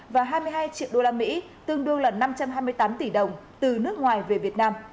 và hai mươi hai triệu usd tương đương là năm trăm hai mươi tám tỷ đồng từ nước ngoài về việt nam